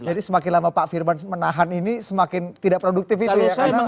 semakin lama pak firman menahan ini semakin tidak produktif itu ya